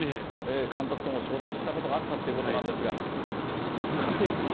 監督とも衝突したことがあったっていうことなんですが、すごいですね。